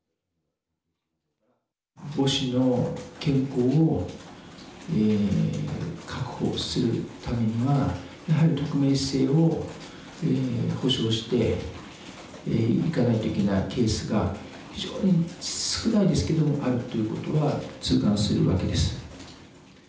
母子の健康を確保するためにはやはり匿名性を保証していかないといけないケースが非常に少ないですけれどあるということは痛感するわけです。